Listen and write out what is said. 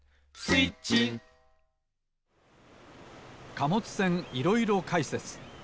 貨物船いろいろ解説。